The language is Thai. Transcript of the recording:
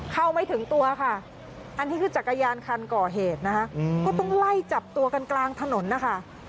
เข้าไม่ถึงตัวค่ะอันนี้คือจักรยานคันก่อเหตุนะคะก็ต้องไล่จับตัวกันกลางถนนนะคะ